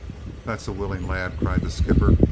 "That's a willing lad," cried the skipper.